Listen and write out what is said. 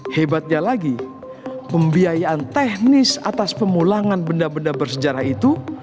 hebatnya lagi pembiayaan teknis atas pemulangan benda benda bersejarah itu